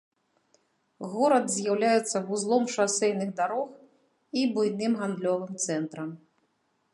Горад з'яўляецца вузлом шасэйных дарог і буйным гандлёвым цэнтрам.